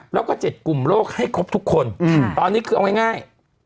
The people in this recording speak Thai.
แล้วก็๗กลุ่มโลกให้ครบทุกคนตอนนี้คือเอาง่าย